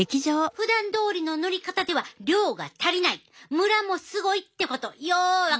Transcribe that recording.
ふだんどおりの塗り方では量が足りないムラもすごいってことよう分かったやろ？